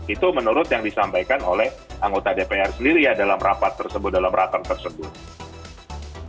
itu menurut yang disampaikan oleh anggota dpr sendiri ya dalam rapat tersebut